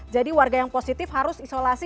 jadi warga yang positif harus isolasi